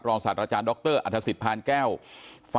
ทางรองศาสตร์อาจารย์ดรอคเตอร์อัตภสิตทานแก้วผู้ชายคนนี้นะครับ